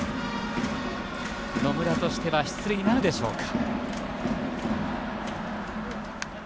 野村としては出塁なるでしょうか。